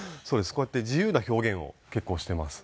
こうやって自由な表現を結構しています。